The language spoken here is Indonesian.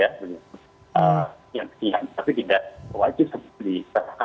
yang keinginan tapi tidak wajib dikatakan